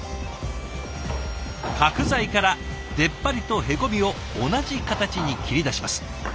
角材から出っ張りとへこみを同じ形に切り出します。